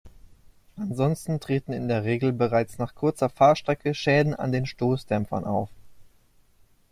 Ansonsten treten in der Regel bereits nach kurzer Fahrstrecke Schäden an den Stoßdämpfern auf.